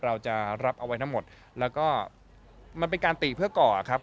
เราจะรับเอาไว้ทั้งหมดแล้วก็มันเป็นการติเพื่อก่อครับ